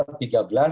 sampai dengan tanggal